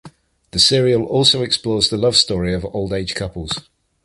The serial also explores the love story of old age couples.